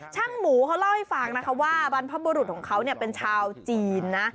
ช่างหมูเขาเล่าให้ฟังนะคะว่าบรรพบุรุษของเขาเป็นชาวจีนนะ